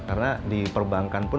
karena di perbankan pun